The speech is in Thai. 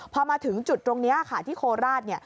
พอมาถึงจุดตรงนี้ค่ะที่โคราชเนี่ย